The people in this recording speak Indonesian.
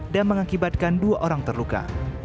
dan mengakibatkan dua orang terluka